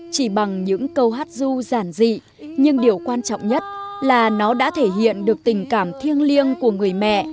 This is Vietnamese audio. chỉ bằng những câu hát du giản dị nhưng điều quan trọng nhất là nó đã thể hiện được tình cảm thiêng liêng của người mẹ